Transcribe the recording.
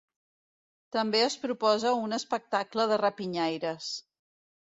També es proposa un espectacle de rapinyaires.